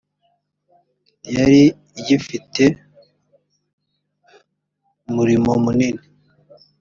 yari igifite umurimo munini